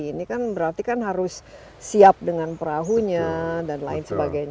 ini kan berarti kan harus siap dengan perahunya dan lain sebagainya